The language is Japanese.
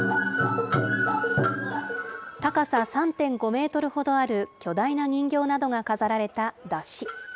高さ３．５メートルほどある巨大な人形などが飾られた山車。